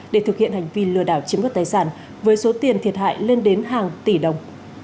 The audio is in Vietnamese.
để thực hiện hành vi lừa đảo chiếm đoạt tài sản với số tiền thiệt hại lên đến hàng tỷ đồng